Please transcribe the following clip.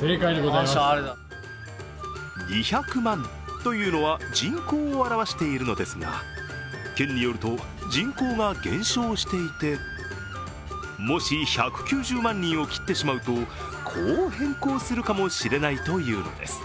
二百万というのは人口を表しているのですが県によると、人口が減少していてもし１９０万人を切ってしまうとこう変更するかもしれないというのです。